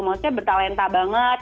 maksudnya bertalenta banget